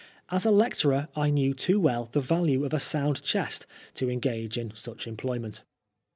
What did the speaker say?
As a lecturer, I knew too well the value of a sound Chest to engage in such employment.